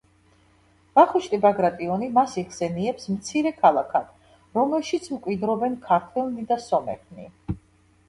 ვახუშტი ბაგრატიონი მას იხსენიებს „მცირე ქალაქად“, რომელშიც „მკვიდრობენ ქართველნი და სომეხნი“.